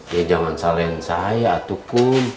ya jangan salahin saya ataupun